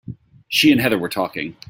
She and Heather were talking.